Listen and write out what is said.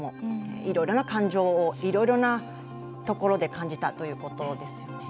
いろいろな感情をいろいろなところで感じたということです。